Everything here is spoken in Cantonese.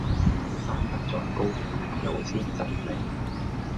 山不在高，有仙則名